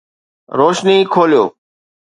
روشني کوليو